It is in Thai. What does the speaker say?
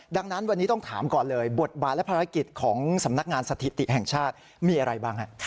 ดังนั้นวันนี้ต้องถามก่อนเลยบทบาทและภารกิจของสำนักงานสถิติแห่งชาติมีอะไรบ้างฮะ